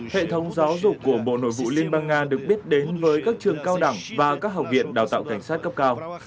hệ thống giáo dục của bộ nội vụ liên bang nga được biết đến với các trường cao đẳng và các học viện đào tạo cảnh sát cấp cao